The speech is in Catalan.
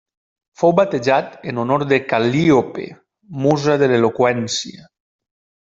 Fou batejat en honor de Cal·líope, musa de l'eloqüència.